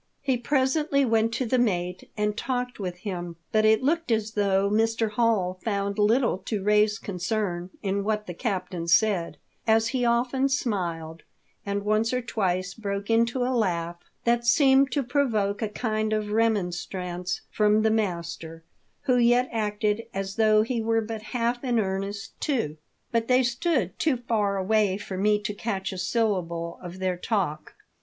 He presently went to the mate, and talked with him, but it looked as though Mr. Hall found little to raise concern in what the captain said, as he often smiled, and once or twice broke into a laugh that seemed to provoke a kind of remonstrance from the master, who yet acted as though he were but half in earnest too ; but they stood too far away for me to catch a syllable of their talk.